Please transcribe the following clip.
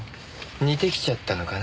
似てきちゃったのかな。